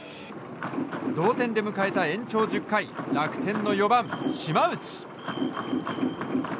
同点で迎えた延長１０回楽天の４番、島内。